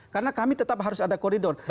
karena kami tetap harus ada koridor